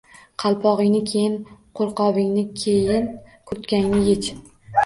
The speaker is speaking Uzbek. “Qalpog‘ingni, keyin qo‘lqopingni, keyin kurtkangni yech”.